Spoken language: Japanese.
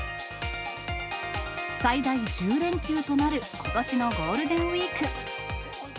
最大１０連休となることしのゴールデンウィーク。